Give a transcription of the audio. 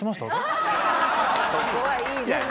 そこはいいじゃない。